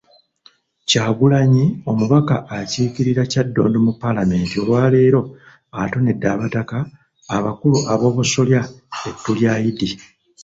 Kyagulanyi, omubaka akiikirira Kyaddondo mu palamenti olwaleero atonedde abataka abakulu ab'obusolya ettu lya Eid.